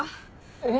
えっ？